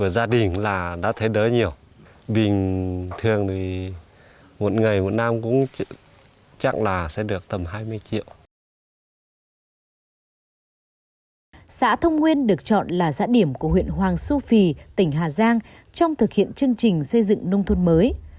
xã thông nguyên được chọn là giã điểm của huyện hoàng su phi tỉnh hà giang trong thực hiện chương trình xây dựng nông thôn mới